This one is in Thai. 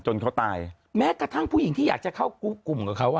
เขาตายแม้กระทั่งผู้หญิงที่อยากจะเข้ากลุ่มกับเขาอ่ะ